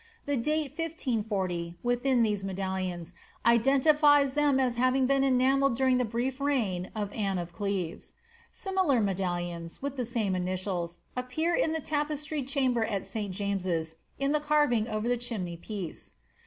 The date 1540, within these medallions, identifies them as having been eni roelled during tlie brief reign of Anne of Cleves. Similar medallions, with the same initials, appear in the tapestried chamber at St. James'f in the carving over the chimney piece.